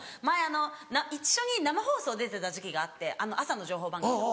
前一緒に生放送出てた時期があって朝の情報番組の。